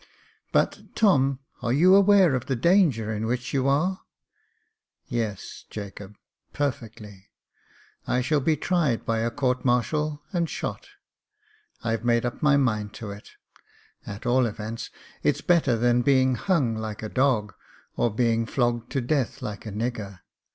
" But, Tom, are you aware of the danger in which you are?" " Yes, Jacob, perfectly ; I shall be tried by a court martial and shot. I've made up my mind to it — at all events, it's better than being hung hke a dog, or being flogged to death like a nigger.